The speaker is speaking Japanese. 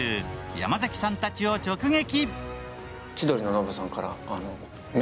山崎さんたちを直撃。